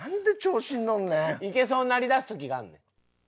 いけそうになりだす時があんねん。